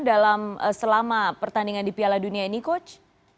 dalam selama pertandingan di piala dunia ini coach